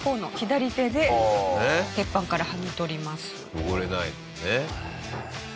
汚れないもんね。